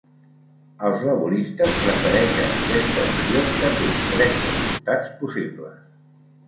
Els laboristes prefereixen aquesta opció, que té tres resultats possibles.